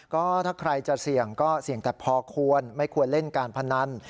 ก็ถ้าใครจะเสี่ยงก็เสี่ยงแต่พอควรไม่ควรเล่นการพนัน